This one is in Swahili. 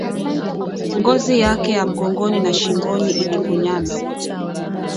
Ngozi yake ya mgongoni na shingoni ilikunyana